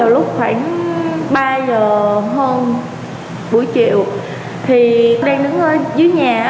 lúc khoảng ba giờ hơn buổi chiều thì đang đứng ở dưới nhà